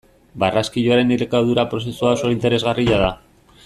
Barraskiloaren elikadura prozesua oso interesgarria da.